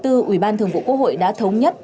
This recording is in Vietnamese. ủy ban thường vụ quốc hội đã thống nhất